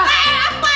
eh apa eh eh